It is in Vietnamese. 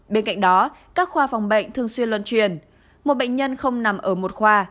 bên cạnh đó các khoa phòng bệnh thường xuyên luân truyền một bệnh nhân không nằm ở một khoa